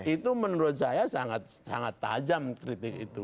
itu menurut saya sangat tajam kritik itu